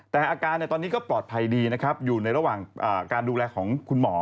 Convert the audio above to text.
แต่อาการตอนนี้ก็ปลอดภัยดีนะครับอยู่ในระหว่างการดูแลของคุณหมอ